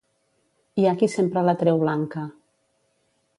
Hi ha qui sempre la treu blanca.